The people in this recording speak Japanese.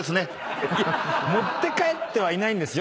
持って帰ってはいないんですよ。